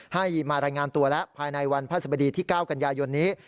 ให้มารายงานตัวแล้วภายในวันพระสบดีที่๙กันยายนนี้